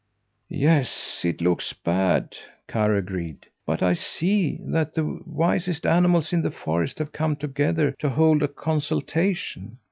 "Yes, it looks bad," Karr agreed, "but I see that the wisest animals in the forest have come together to hold a consultation.